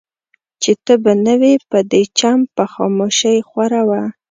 چي ته به نه وې په دې چم به خاموشي خوره وه